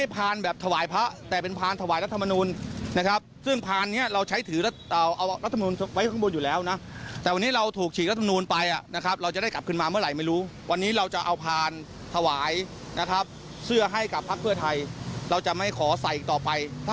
เพราะว่าทุกคนเองก็จะไม่ขอร่วมในเรื่องของกิจกรรมพักเพื่อไทยต่อไป